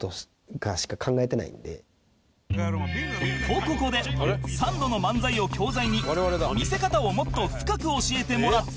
とここでサンドの漫才を教材に見せ方をもっと深く教えてもらった